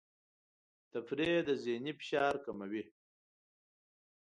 تفریح د ذهني فشار کموي.